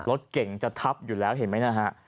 รถเก่งจะทับอยู่แล้วเห็นไหมนะฮะ